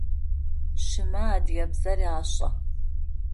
Шымэ адыгабзэр ашӏэ.